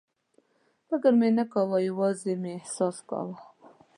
فکر مې نه کاوه، یوازې مې احساس کاوه.